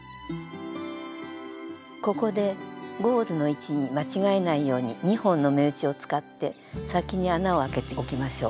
ここでゴールの位置に間違えないように２本の目打ちを使って先に穴をあけておきましょう。